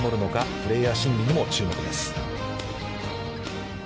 プレーヤー心理にも注目です。